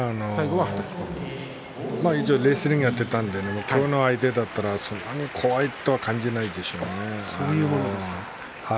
レスリングをやっていたので今日の相手だったら怖いとは感じないでしょうね。